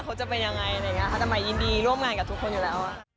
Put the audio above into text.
เขาจะเป็นยังไงอะไรอย่างเงี้ยค่ะ